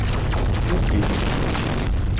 E de fu.